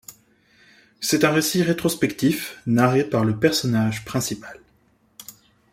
C'est un récit rétrospectif narré par le personnage principal.